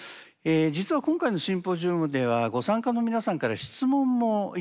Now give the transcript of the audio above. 実は今回のシンポジウムではご参加の皆さんから質問も頂いております。